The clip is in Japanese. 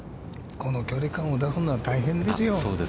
この距離感を出すのは大変ですよ。